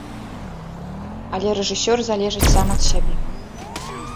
Але рэжысёр залежыць сам ад сябе.